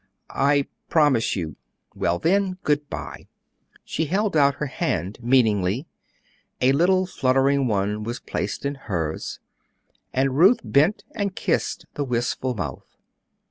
"I promise you." "Well, then, good by." She held out her hand meaningly; a little fluttering one was placed in hers, and Ruth bent and kissed the wistful mouth.